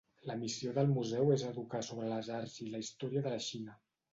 La missió del museu és educar sobre les arts i la història de la Xina.